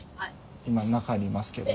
今中にいますけど。